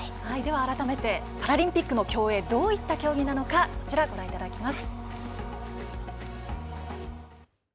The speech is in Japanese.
改めてパラリンピックの競泳どういった競技なのかご覧いただきます。